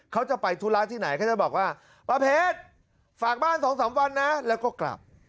เขาจะไปธุระที่ไหนเขาจะบอกว่าป้าเพชรฝากบ้าน๒๓วันนะแล้วก็กลับ